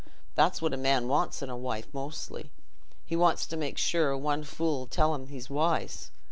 That's what a man wants in a wife, mostly; he wants to make sure o' one fool as 'ull tell him he's wise.